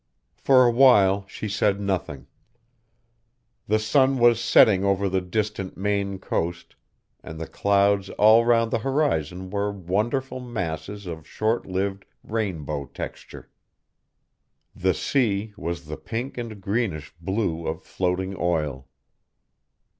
For a while she said nothing. The sun was setting over the distant Maine coast and the clouds all round the horizon were wonderful masses of short lived rainbow texture. The sea was the pink and greenish blue of floating oil.